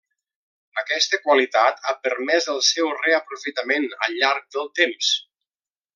Aquesta qualitat ha permès el seu reaprofitament al llarg del temps.